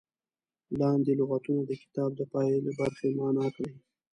لاندې لغتونه د کتاب د پای له برخې معنا کړي.